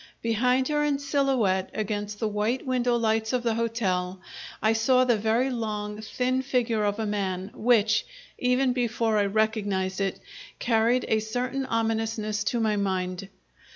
Beside her, in silhouette against the white window lights of the hotel, I saw the very long, thin figure of a man, which, even before I recognized it, carried a certain ominousness to my mind.